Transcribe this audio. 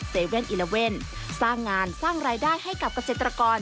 ๗๑๑สร้างงานสร้างรายได้ให้กับเกษตรกร